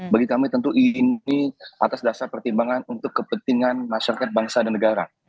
bagi kami tentu ini atas dasar pertimbangan untuk kepentingan masyarakat bangsa dan negara